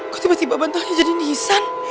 kok tiba tiba bantuannya jadi nisan